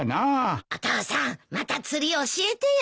お父さんまた釣り教えてよ。